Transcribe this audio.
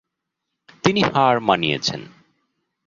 তিনি হার মানিয়েছেন।